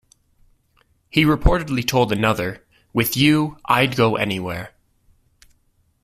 He reportedly told another, "With you, I'd go anywhere".